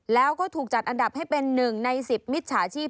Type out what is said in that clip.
แล้วก็ถูกจัดอันดับให้เป็น๑ใน๑๐มิจฉาชีพ